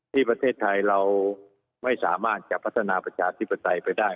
ที่ประเทศไทยเราไม่สามารถจะพัฒนาประชาธิปไตยไปได้